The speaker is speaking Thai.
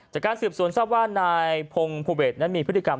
จากการสืบสวนทราบว่านายพงศ์ภูเบศนั้นมีพฤติกรรม